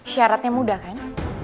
syaratnya mudah kan